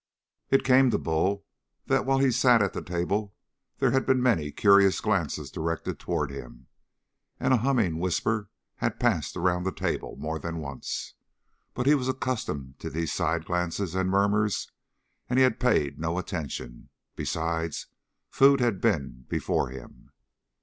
It came to Bull that while he sat at the table there had been many curious glances directed toward him, and a humming whisper had passed around the table more than once. But he was accustomed to these side glances and murmurs, and he had paid no attention. Besides, food had been before him.